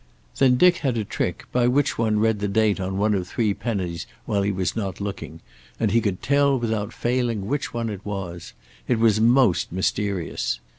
Then Dick had a trick by which one read the date on one of three pennies while he was not looking, and he could tell without failing which one it was. It was most mysterious.